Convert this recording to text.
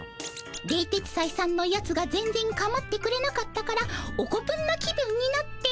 「冷徹斎さんのやつが全然かまってくれなかったからオコプンな気分になって」。